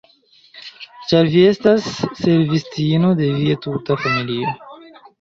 Ĉar vi estas servistino de via tuta familio.